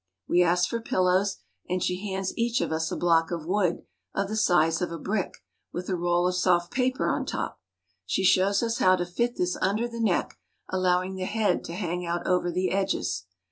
We ask for pillows, and she hands each of us a block of wood of the size of a brick, with a roll of soft paper on top. She shows us how to fit this under the neck, allowing the head to hang out over the edges.